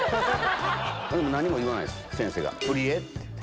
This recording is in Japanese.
何も言わないです先生が。